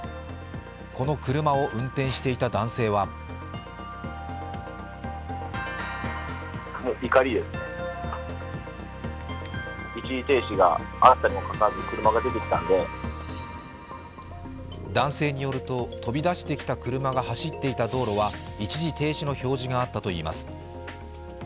この車を運転していた男性は男性によると、飛び出してきた車が走っていた道路は一時停止の標示があったといいます。